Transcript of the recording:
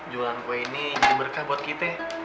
jualan kue ini berkah buat kita